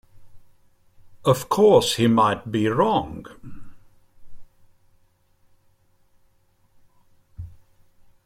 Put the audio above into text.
Of course he might be wrong.